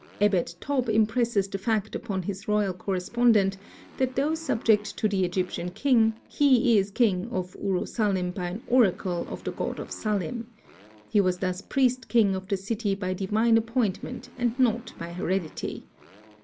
Ebed tob impresses the fact upon his royal correspondent that though subject to the Egyptian king, he is king of Uru Salim by an oracle of the god of Salim. He was thus priest king of the city by divine appointment and not by heredity.